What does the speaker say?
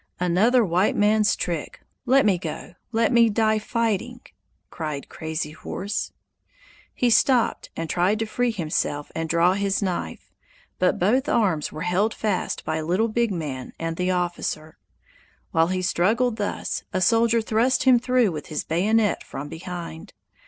"Another white man's trick! Let me go! Let me die fighting!" cried Crazy Horse. He stopped and tried to free himself and draw his knife, but both arms were held fast by Little Big Man and the officer. While he struggled thus, a soldier thrust him through with his bayonet from behind.